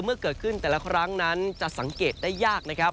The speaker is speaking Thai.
เมื่อเกิดขึ้นแต่ละครั้งนั้นจะสังเกตได้ยากนะครับ